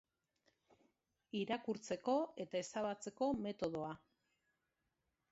irakurtzeko eta ezabatzeko metodoa